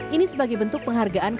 ini sebagai bentuk penghargaan